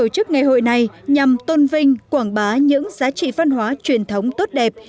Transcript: chức ngày hội này nhằm tôn vinh quảng bá những giá trị văn hóa truyền thống tốt đẹp